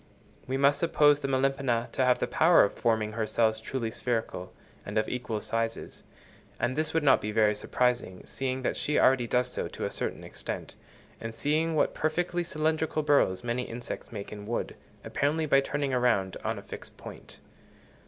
We must suppose the Melipona to have the power of forming her cells truly spherical, and of equal sizes; and this would not be very surprising, seeing that she already does so to a certain extent, and seeing what perfectly cylindrical burrows many insects make in wood, apparently by turning round on a fixed point.